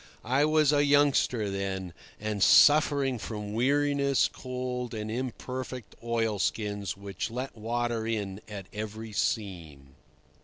I was a youngster then, and suffering from weariness, cold, and imperfect oilskins which let water in at every seam.